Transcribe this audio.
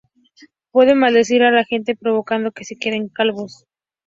Puede maldecir a la gente provocando que se queden calvos.